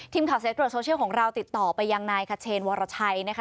ทีมข่าวเศรษฐ์ตัวโซเชียลของเราติดต่อไปยังไงคะเชนวรชัยนะคะ